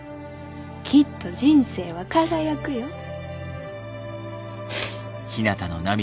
きっと人生は輝くよ。